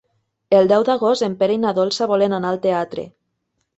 El deu d'agost en Pere i na Dolça volen anar al teatre.